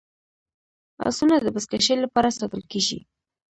اسونه د بزکشۍ لپاره ساتل کیږي.